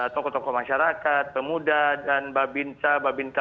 tokoh tokoh masyarakat pemuda dan babinca babinca